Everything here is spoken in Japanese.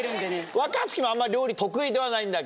若槻もあんまり料理得意ではないんだっけ？